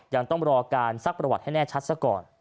ยังต้องรอการซักประวัติให้แน่ชัดซะก่อน